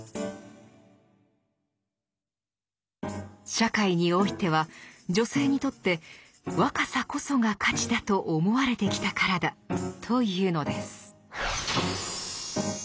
社会においては女性にとって若さこそが価値だと思われてきたからだというのです。